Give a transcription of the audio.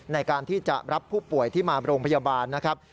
ในการที่จะรับผู้ป่วยที่มาโรงพยาบาลนะครับ